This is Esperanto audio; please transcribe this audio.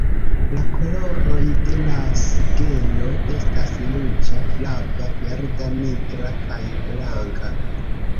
La koloroj de la sigelo estas ruĝa, flava, verda, nigra kaj blanka.